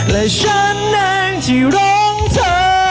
และฉันเองที่ร้องเธอ